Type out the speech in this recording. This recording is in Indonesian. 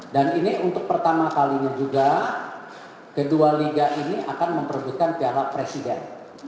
dan ini untuk pertama kalinya juga kedua liga ini akan memperebutkan piala presiden